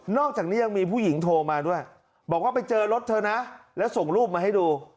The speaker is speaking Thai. อกจากนี้ยังมีผู้หญิงโทรมาด้วยบอกว่าไปเจอรถเธอนะแล้วส่งรูปมาให้ดู